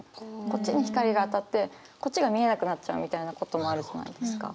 こっちに光が当たってこっちが見えなくなっちゃうみたいなこともあるじゃないですか。